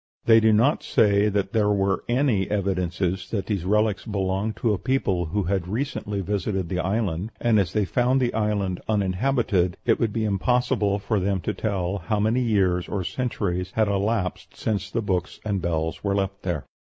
They do not say that there were any evidences that these relics belonged to a people who had recently visited the island; and, as they found the island uninhabited, it would be impossible for them to tell how many years or centuries had elapsed since the books and bells were left there.